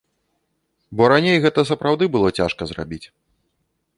Бо раней гэта сапраўды было цяжка зрабіць.